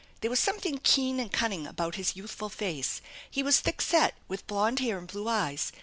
There was something keen and cunning about his youthful face. He was thick set, with blond hair and blue eyes.